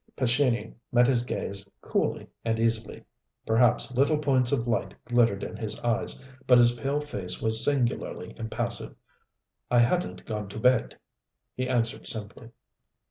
Pescini met his gaze coolly and easily. Perhaps little points of light glittered in his eyes, but his pale face was singularly impassive. "I hadn't gone to bed," he answered simply.